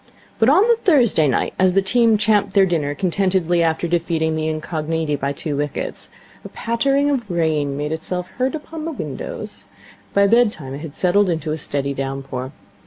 But on the Thursday night, as the team champed their dinner contentedly after defeating the Incogniti by two wickets, a pattering of rain made itself heard upon the windows. By bedtime it had settled to a steady downpour.